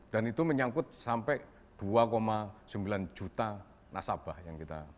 dan itu menyangkut sampai dua sembilan juta nasabah yang kita